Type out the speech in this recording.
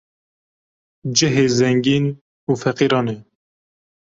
cihê zengîn û feqîran e